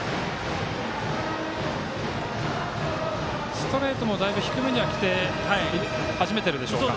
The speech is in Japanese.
ストレートもだいぶ低めにき始めているでしょうか。